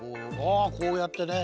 あこうやってね。